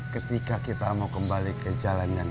ketika kita mau kembali ke jalan yang